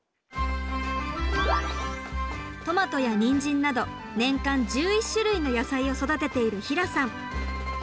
トマトやニンジンなど年間１１種類の野菜を育てている平さん。